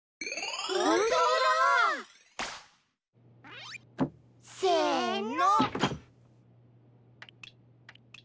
ほんとうだ！せの！